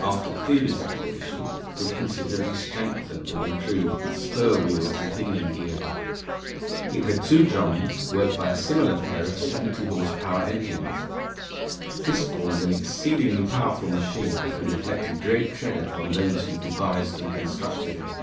37) after the previous expedition was considerably strengthened and improved with spur wheels and pinion gearing. It had two drums worked by a similar pair of 70 horse power engines. This formed an exceedingly powerful machine, and reflected great credit on those who devised and constructed it.